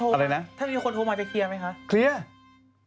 ถ้าเกิดเขาโทรมาจะเคลียร์ไหมคะ